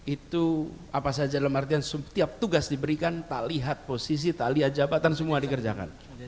itu apa saja dalam artian setiap tugas diberikan tak lihat posisi tak lihat jabatan semua dikerjakan